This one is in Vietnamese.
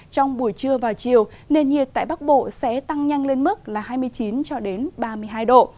trong buổi trưa và chiều nền nhiệt tại bắc bộ sẽ tăng nhanh lên mức hai mươi chín ba mươi hai độ